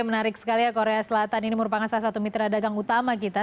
menarik sekali ya korea selatan ini merupakan salah satu mitra dagang utama kita